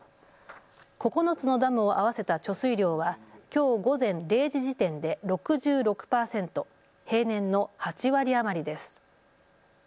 ９つのダムを合わせた貯水量はきょう午前０時時点で６６％、平年の８割余りです。